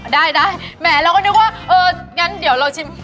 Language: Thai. ได้ได้แหมเราก็นึกว่าเอองั้นเดี๋ยวเราชิม